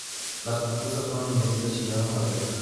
Las protestas fueron inmediatas y llegaron al rey.